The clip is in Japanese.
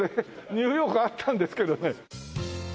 ニューヨークあったんですけどね。